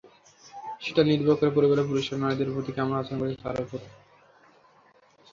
সেটাও নির্ভর করে পরিবারের পুরুষেরা নারীদের প্রতি কেমন আচরণ করছেন, তার ওপর।